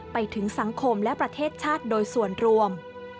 ไปถึงสังคมและประเทศชาติโดยส่วนรวม